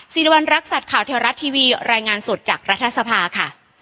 สิริวัณรักษัตริย์ข่าวเทวรัฐทีวีรายงานสดจากรัฐสภาค่ะ